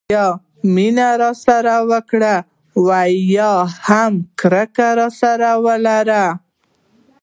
یا مینه راسره وکړه او یا هم کرکه راسره ولره.